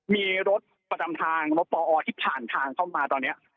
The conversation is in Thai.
มีรถประจำทางรถปอที่ผ่านทางเข้ามาตอนนี้